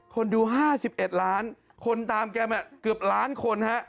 คนดู๕๑ล้านคนตามแกมาเกือบล้านคนฮะ